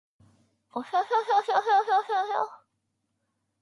おひょひょひょひょひょひょ